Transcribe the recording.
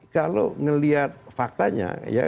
kalau melihat faktanya ya